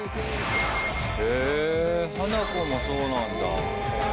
へえ、ハナコもそうなんだ。